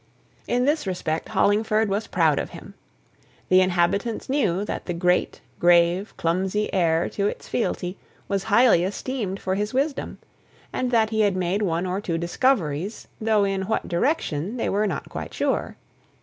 In this respect Hollingford was proud of him. The inhabitants knew that the great, grave, clumsy heir to its fealty was highly esteemed for his wisdom; and that he had made one or two discoveries, though in what direction they were not quite sure.